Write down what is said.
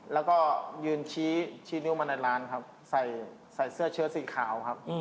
แล้วก็ยืนชี้นิ้วมาในร้านครับใส่เสื้อเชื้อสีขาวครับ